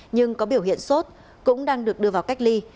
nhưng có biểu hiện sốt cũng đang được đưa vào cách ly